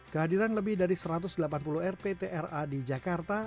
kehadiran lebih dari satu ratus delapan puluh rptra di jakarta